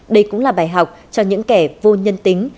đây cũng là bài học cho những kẻ vô nhân tính